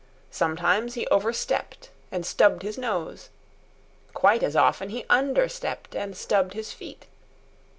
Sometimes he overstepped and stubbed his nose. Quite as often he understepped and stubbed his feet.